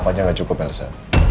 maaf aja gak cukup elsa